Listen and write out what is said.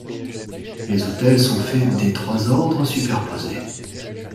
Les autels sont faits des trois ordres superposés.